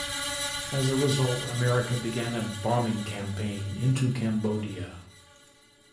As a result, America began a bombing campaign into Cambodia.